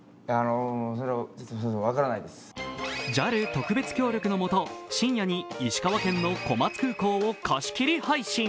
ＪＡＬ特別協力の下、深夜に石川県の小松空港を貸し切り配信。